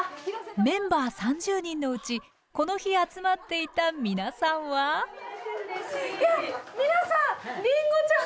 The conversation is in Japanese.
メンバー３０人のうちこの日集まっていた皆さんはきゃ！